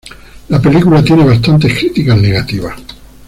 La película tiene bastantes crítica negativas.